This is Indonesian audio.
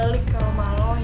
gue gak mau